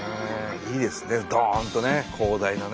いいですねドンとね広大なね。